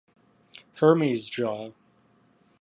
Hermes Jaw.